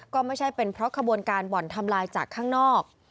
ก็ไม่ใช่เป็นเพราะขบวนการบ่อนทำลายจากข้างนอก